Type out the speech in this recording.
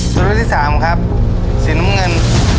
ตัวเลือกที่สามครับสีน้ำเงิน